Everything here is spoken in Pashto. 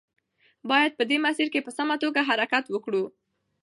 باید په دې مسیر کې په سمه توګه حرکت وکړو.